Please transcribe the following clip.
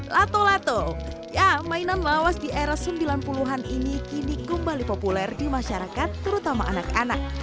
lato lato ya mainan lawas di era sembilan puluh an ini kini kembali populer di masyarakat terutama anak anak